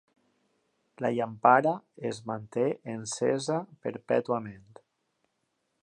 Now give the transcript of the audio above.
La llampara es manté encesa perpètuament.